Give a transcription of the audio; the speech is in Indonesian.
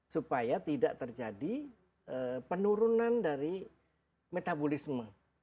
supaya tidak terjadi penurunan dari metabolisme